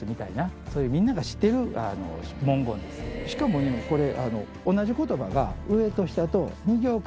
しかもこれ。